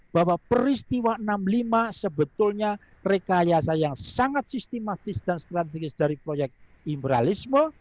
bahwa peristiwa enam puluh lima sebetulnya rekayasa yang sangat sistematis dan strategis dari proyek imperalisme